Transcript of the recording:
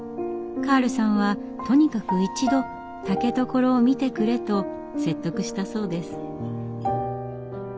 カールさんは「とにかく一度竹所を見てくれ」と説得したそうです。